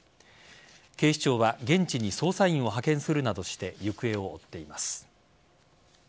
警視庁は現地に捜査員を派遣するなどして行方を追っています。